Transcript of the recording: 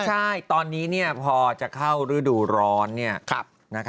ใช่ตอนนี้พอจะเข้าฤดูร้อน